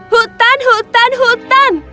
hutan hutan hutan